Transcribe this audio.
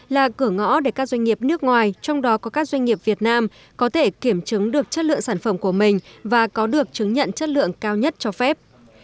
là cửa ngõ để các doanh nghiệp nước ngoài trong đó có các doanh nghiệp việt nam có thể kiểm chứng được chất lượng sản phẩm của mình và có được chứng nhận chất lượng cao nhất cho phép